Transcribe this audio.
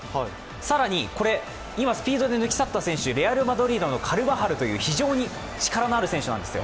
更にこれ、今スピードで抜き去った選手レアル・マドリードのカルバハル選手という非常に力のある選手なんですよ。